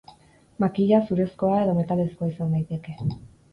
Makila, zurezkoa edo metalezkoa izan daiteke.